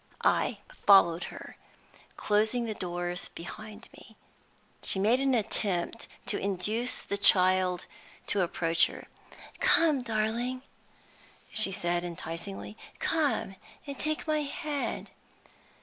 I followed her, closing the doors behind me. She made an attempt to induce the child to approach her. "Come, darling," she said, enticingly "come and take my hand."